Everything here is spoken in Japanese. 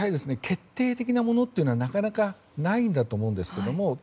決定的なものというのはなかなかないんだと思うんですけども